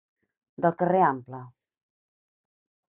Del carrer ample.